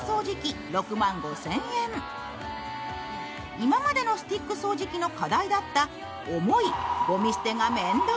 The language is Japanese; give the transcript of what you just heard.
今までのスティック掃除機の課題だった、重い、ゴミ捨てが面倒